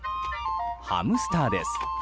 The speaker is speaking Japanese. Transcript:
ハムスターです。